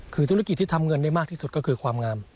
คือธุรกิจที่ทำเงินได้มากที่สุดก็คือความงาม